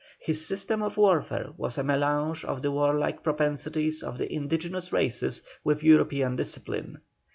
His system of warfare was a mélange of the warlike propensities of the indigenous races with European discipline.